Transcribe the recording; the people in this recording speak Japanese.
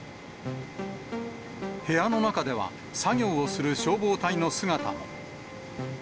部屋の中では、作業をする消防隊の姿も。